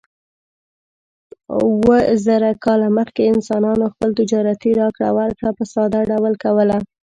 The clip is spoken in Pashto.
اووه زره کاله مخکې انسانانو خپل تجارتي راکړه ورکړه په ساده ډول کوله.